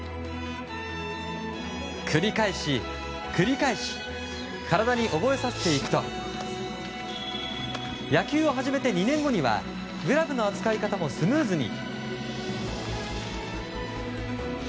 繰り返し、繰り返し体に覚えさせていくと野球を始めて２年後にはグラブの扱い方もスムーズに。